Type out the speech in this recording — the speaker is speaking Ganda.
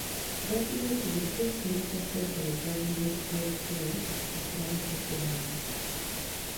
Gavumenti bulijjo esindika ssente mu gavumenti z'ebitundu okusasula abakozi babwe.